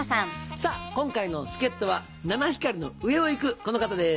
さぁ今回の助っ人は七光の上を行くこの方です。